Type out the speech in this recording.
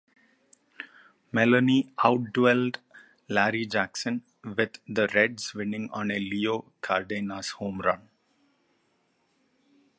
Maloney outdueled Larry Jackson, with the Reds winning on a Leo Cardenas home run.